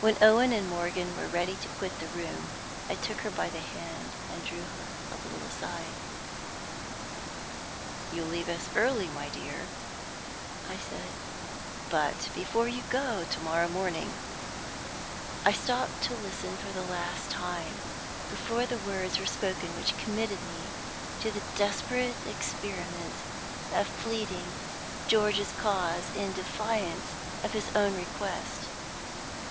When Owen and Morgan were ready to quit the room, I took her by the hand, and drew her a little aside. "You leave us early, my dear," I said; "but, before you go to morrow morning " I stopped to listen for the last time, before the words were spoken which committed me to the desperate experiment of pleading George's cause in defiance of his own request.